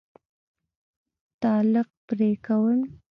تعلق پرې كول